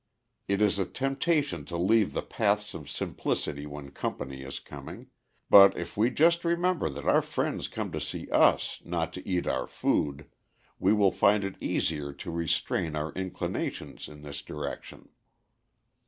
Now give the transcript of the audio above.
"It is a temptation to leave the paths of simplicity when company is coming; but if we just remember that our friends come to see us, not to eat our food, we will find it easier to restrain our inclinations in this direction.